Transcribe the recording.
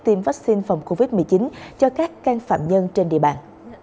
tiêm vaccine phòng covid một mươi chín cho các can phạm nhân trên địa bàn